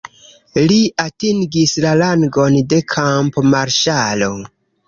Li atingis la rangon de kampo-marŝalo.